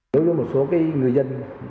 đối với một số người dân